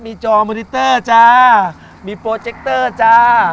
มีจอมอนิเตอร์จ้ามีโปรเจคเตอร์จ้า